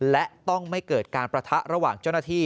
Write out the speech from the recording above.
และต้องไม่เกิดการประทะระหว่างเจ้าหน้าที่